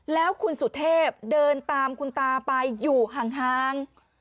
แล้วคุณสุเทพเดินตามคุณตาไปอยู่ห่าง